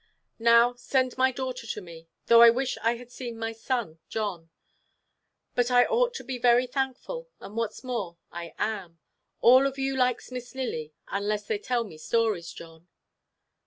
Now send my daughter to me, though I wish I had seen my son, John. But I ought to be very thankful, and what's more, I am. All of you likes Miss Lily, unless they tell me stories, John.